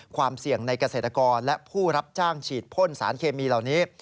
ความเสี่ยงในเกษตรกรและผู้รับจ้างฉีดพ่นสารเคมีเหล่านี้